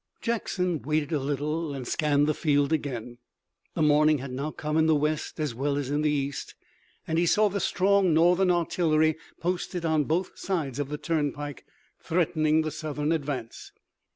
Jackson waited a little and scanned the field again. The morning had now come in the west as well as in the east, and he saw the strong Northern artillery posted on both sides of the turnpike, threatening the Southern advance.